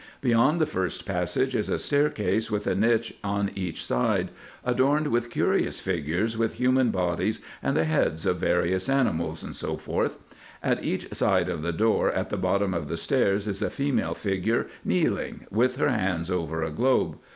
Beyond the first passage is a staircase with a niche on each side, adorned with curious figures with human bodies and the heads of various animals, &c. At each side of the door at the bottom of the stairs is a female figure kneeling, with her hands over a globe.